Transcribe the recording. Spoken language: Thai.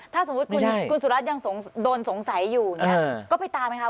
ถ้าสมมุติคุณสุรัสตร์ยังโดนสงสัยอยู่เนี่ยก็ไปตามไว้ค่ะ